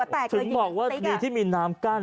ถึงบอกว่าดีที่มีน้ำกั้น